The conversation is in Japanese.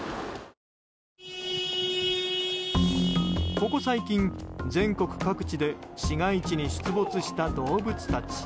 ここ最近、全国各地で市街地に出没した動物たち。